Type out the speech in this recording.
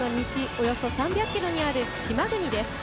およそ３００ｋｍにある島国です。